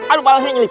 aduh parahnya nyelip